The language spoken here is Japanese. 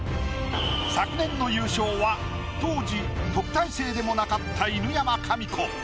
昨年の優勝は当時特待生でもなかった犬山紙子。